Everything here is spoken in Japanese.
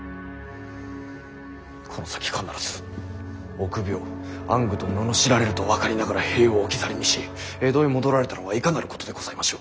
この先必ず臆病暗愚と罵られると分かりながら兵を置き去りにし江戸へ戻られたのはいかなることでございましょう。